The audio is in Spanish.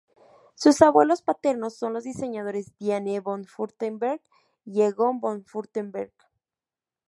Sus abuelos paternos son los diseñadores Diane von Fürstenberg y Egon von Fürstenberg.